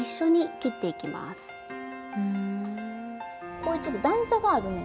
こういうちょっと段差があるねんね。